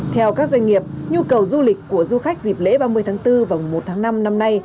theo các doanh nghiệp nhu cầu du lịch của du khách dịp lễ ba mươi tháng bốn và mùa một tháng năm năm nay